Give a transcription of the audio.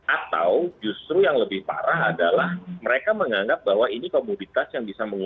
atau justru yang lebih parah adalah mereka menganggap bahwa ini komoditas yang bisa menggunakan